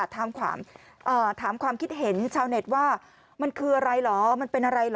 ถามความคิดเห็นชาวเน็ตว่ามันคืออะไรเหรอมันเป็นอะไรเหรอ